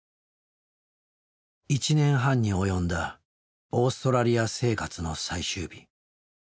１年半に及んだオーストラリア生活の最終日。